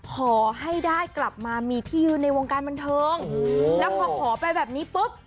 ขอให้ได้กลับมามีที่ยืนในวงการบันเทิงแล้วพอขอไปแบบนี้ปุ๊บ